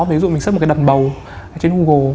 ví dụ mình search một cái đầm bầu trên google